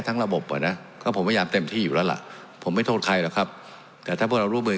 สวัสดีสวัสดีสวัสดีสวัสดีสวัสดี